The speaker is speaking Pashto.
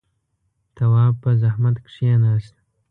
تواب په زحمت کېناست.